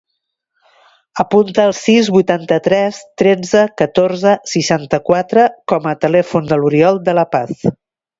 Apunta el sis, vuitanta-tres, tretze, catorze, seixanta-quatre com a telèfon de l'Oriol De La Paz.